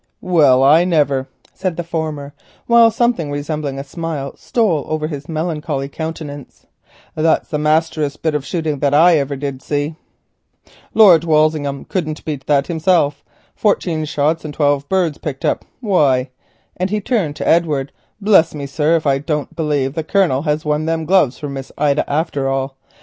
"Well I niver," said the former, while something resembling a smile stole over his melancholy countenance, "if that bean't the masterest bit of shooting that ever I did see. Lord Walsingham couldn't hardly beat that hisself—fifteen empty cases and twelve birds picked up. Why," and he turned to Edward, "bless me, sir, if I don't believe the Colonel has won them gloves for Miss Ida after all.